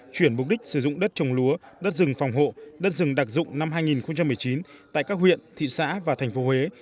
chuyển mục đích sử dụng đất trồng lúa đất rừng phòng hộ đất rừng đặc dụng năm hai nghìn một mươi chín tại các huyện thị xã và thành phố huế